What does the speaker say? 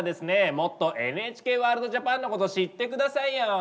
もっとＮＨＫワールドＪＡＰＡＮのこと知って下さいよ。